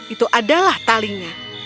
itu adalah talinya